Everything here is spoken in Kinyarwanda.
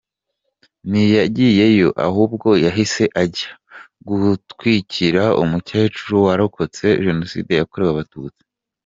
Ntiyagiyeyo ahubwo yahise ajya gutwikira umukecuru warokotse Jenoside yakorewe Abatutsi.